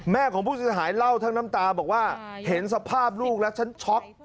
ของผู้เสียหายเล่าทั้งน้ำตาบอกว่าเห็นสภาพลูกแล้วฉันช็อก